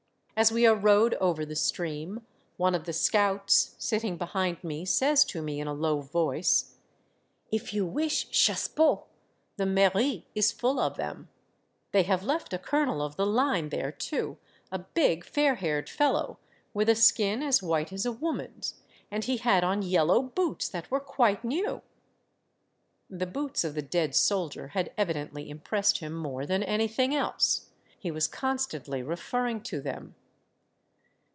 As we are rowed over the stream, one of the scouts, sitting behind me, says to me in a low voice, —" If you wish chassepots — the mairie is full of them. They have left a colonel of the line there too, a big, fair haired fellow, with a skin as white as a woman's ; and he had on yellow boots that were quite new !" The boots of the dead soldier had evidently impressed him more than anything else. He was constantly referring to them.